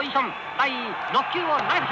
第６球を投げた。